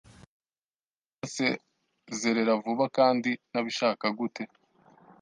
bansezerera vuba kandi ntabishaka gute